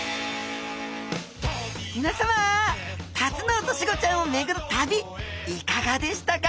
みなさまタツノオトシゴちゃんをめぐる旅いかがでしたか？